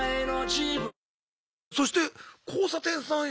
そして交差点さんよ。